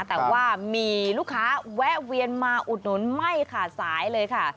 แต่ว่ามีลูกค้าแวะเวียนมาอุดหนุนไม่ขาดสายเลยค่ะ